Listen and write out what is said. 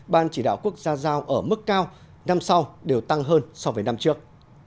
ban chỉ đạo quốc gia giao ở mức cao năm sau đều tăng hơn so với năm trước